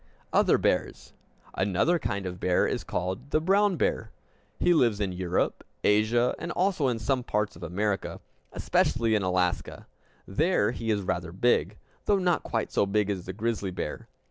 Other Bears Another kind of bear is called the brown bear. He lives in Europe, Asia, and also in some parts of America, especially in Alaska. There he is rather big, though not quite so big as the grizzly bear.